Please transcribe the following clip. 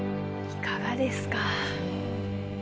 いかがですか？